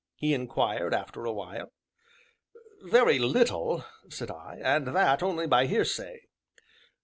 he inquired, after a while. "Very little," said I, "and that, only by hearsay."